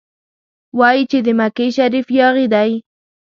وايي چې د مکې شریف یاغي دی.